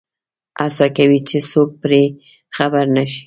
هڅه کوي چې څوک پرې خبر نه شي.